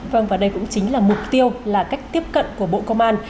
vâng và đây cũng chính là mục tiêu là cách tiếp cận của bộ công an